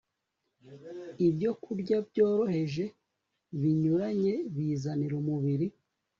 Ibyokurya byoroheje binyuranye bizanira umubiri